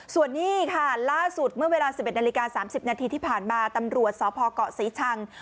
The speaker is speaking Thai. ส่วนนี้ค่ะล่าสุดเมื่อเวลา๑๑นาฬิกา๓๐นาทีที่ผ่านมาตำรวจสพเกาะศรีชัง